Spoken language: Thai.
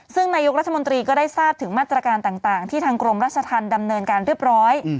ซึ่งนายกรัฐมนตรีก็ได้ทราบถึงมาตรการต่างที่ทางกรมราชธรรมดำเนินการเรียบร้อย